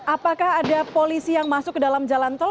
apakah ada polisi yang masuk ke dalam jalan tol